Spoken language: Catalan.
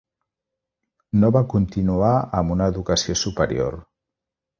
No va continuar amb una educació superior.